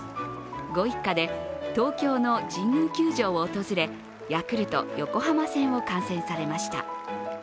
ご一家で東京の神宮球場を訪れ、ヤクルト・横浜戦を観戦されました。